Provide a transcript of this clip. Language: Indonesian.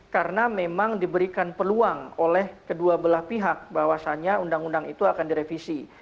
karena memang diberikan peluang oleh kedua belah pihak bahwasannya undang undang itu akan direvisi